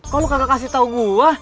kok lu kagak kasih tau gua